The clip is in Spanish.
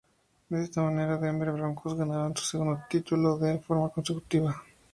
De esta manera los Denver Broncos ganaban su segundo título y de forma consecutiva.